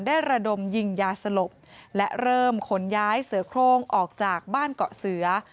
ระดมยิงยาสลบและเริ่มขนย้ายเสือโครงออกจากบ้านเกาะเสือ